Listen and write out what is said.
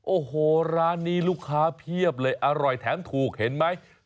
โอ้โหร้านนี้ลูกค้าเพียบเลยอร่อยแถมถูกเห็นไหม